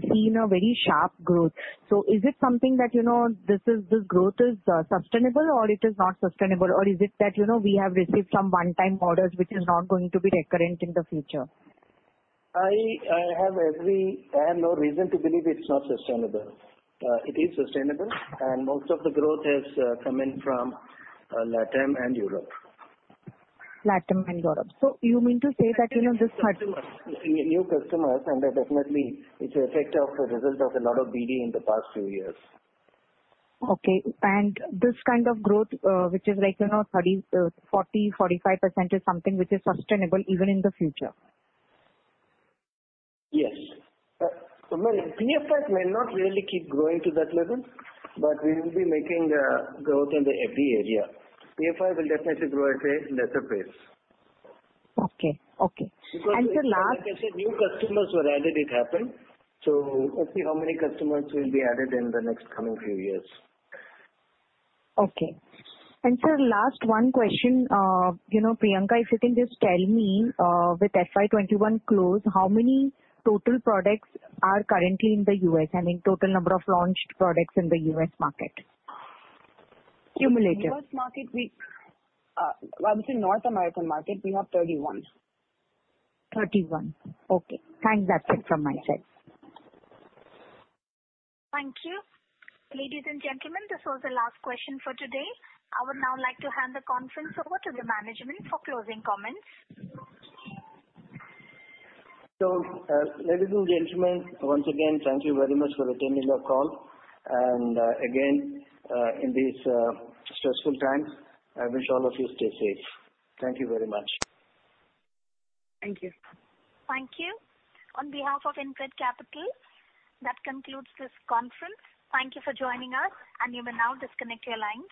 seen a very sharp growth. Is it something that this growth is sustainable or it is not sustainable? Is it that we have received some one-time orders which is not going to be recurrent in the future? I have no reason to believe it's not sustainable. It is sustainable and most of the growth has come in from LATAM and Europe. LATAM and Europe. You mean to say that this? New customers and definitely it's an effect of the result of a lot of BD in the past few years. Okay, this kind of growth, which is like 40%-45% is something which is sustainable even in the future? Yes. PFI may not really keep growing to that level, but we will be making growth in the every area. PFI will definitely grow at a lesser pace. Okay. Sir, last- Like I said, new customers were added, it happened. Let's see how many customers will be added in the next coming few years. Okay. Sir, last one question. Priyanka, if you can just tell me, with FY 2021 close, how many total products are currently in the U.S.? I mean total number of launched products in the U.S. market. Cumulative. U.S. market, obviously North American market, we have 31. 31. Okay, thanks. That's it from my side. Thank you. Ladies and gentlemen, this was the last question for today. I would now like to hand the conference over to the management for closing comments. Ladies and gentlemen, once again thank you very much for attending the call. Again, in these stressful times, I wish all of you stay safe. Thank you very much. Thank you. Thank you. On behalf of InCred Capital, that concludes this conference. Thank you for joining us, and you may now disconnect your lines.